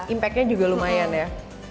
impactnya juga lumayan ya